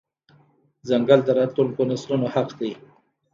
ځنګل د راتلونکو نسلونو حق دی.